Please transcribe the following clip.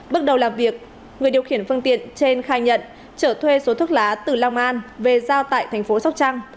bước đầu làm việc người điều khiển phương tiện trên khai nhận trở thuê số thuốc lá từ long an về giao tại thành phố sóc trăng